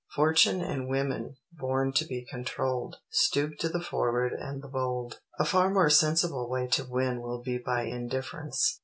"Fortune and women, born to be controlled, stoop to the forward and the bold." A far more sensible way to win will be by indifference.